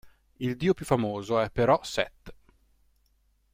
Il dio più famoso è però Set.